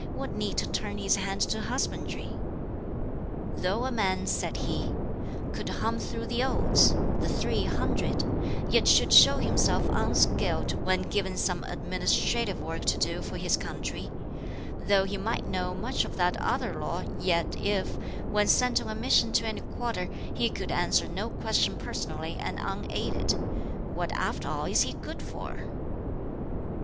What need to turn his hand to husbandry? "Though a man," said he, "could hum through the Odes the three hundred yet should show himself unskilled when given some administrative work to do for his country; though he might know much of that other lore, yet if, when sent on a mission to any quarter, he could answer no question personally and unaided, what after all is he good for?